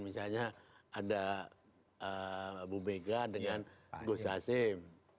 misalnya ada bu bega dengan ghosasim